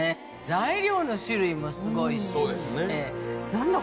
材料の種類もすごいしなんだ